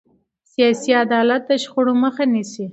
سیاسي عدالت د شخړو مخه نیسي